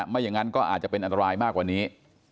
ไม่อย่างงั้นก็เป็นอันไล่มากกว่านี้